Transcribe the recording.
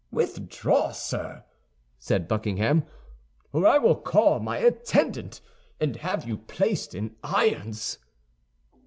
"Withdraw, sir," said Buckingham, "or I will call my attendant, and have you placed in irons."